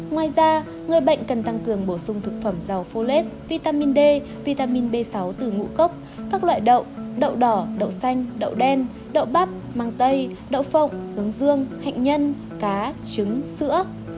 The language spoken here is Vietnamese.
ngoài ra người bệnh cần tăng cường bổ sung thực phẩm dầu foled vitamin d vitamin b sáu từ ngũ cốc các loại đậu đỏ đậu xanh đậu đen đậu bắp mang tây đậu phộng hướng dương hạnh nhân cá trứng sữa